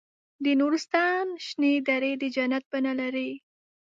د نورستان شنې درې د جنت بڼه لري.